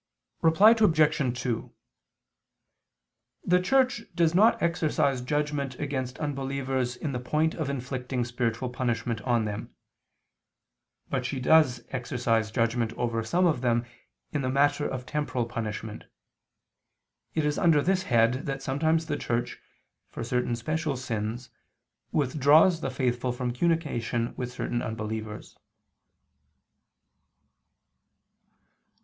Reply Obj. 2: The Church does not exercise judgment against unbelievers in the point of inflicting spiritual punishment on them: but she does exercise judgment over some of them in the matter of temporal punishment. It is under this head that sometimes the Church, for certain special sins, withdraws the faithful from communication with certain unbelievers.